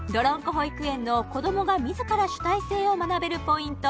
保育園の子どもが自ら主体性を学べるポイント